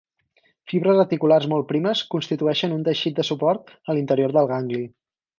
Fibres reticulars molt primes constitueixen un teixit de suport a l'interior del gangli.